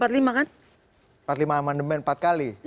empat puluh lima amandemen empat kali